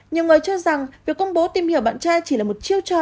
nhiều người cho rằng việc công bố tìm hiểu bạn trai chỉ là một chiêu trò